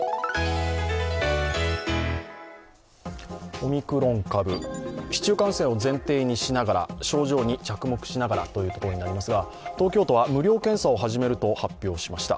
オミクロン株、市中感染を前提にしながら、症状に着目しながらというところになりますが東京都は無料検査を始めると発表しました。